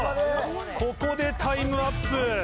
ここでタイムアップ。